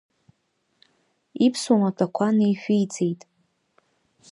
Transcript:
Иԥсуа маҭәақәа неишәиҵеит.